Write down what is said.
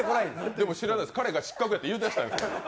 でも知らないです、彼が失格だって言いだしたんです。